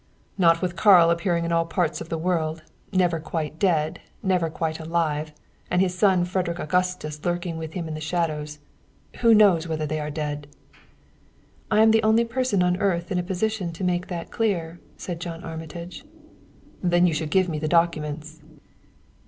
"Not with Karl appearing in all parts of the world, never quite dead, never quite alive and his son Frederick Augustus lurking with him in the shadows. Who knows whether they are dead?" "I am the only person on earth in a position to make that clear," said John Armitage. "Then you should give me the documents."